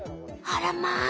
あらま！